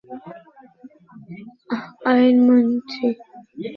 তাঁদের সঙ্গে ছিলেন সংবিধান প্রণয়ন কমিটির সভাপতি ও আইনমন্ত্রী কামাল হোসেন।